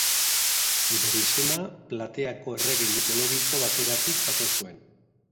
Bere izena, Plateako errege mitologiko bategatik jaso zuen.